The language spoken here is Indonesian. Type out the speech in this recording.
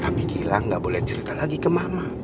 tapi gilang nggak boleh cerita lagi ke mama